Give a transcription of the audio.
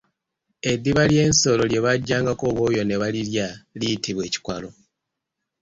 Eddiba ly’ensolo lye bajjangako obwoya ne balirya liyitibwa Ekikwalo.